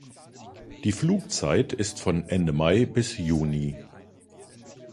Die Flugzeit ist von Ende Mai bis Juni.